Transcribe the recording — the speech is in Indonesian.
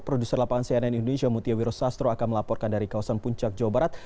produser lapangan cnn indonesia mutia wiro sastro akan melaporkan dari kawasan puncak jawa barat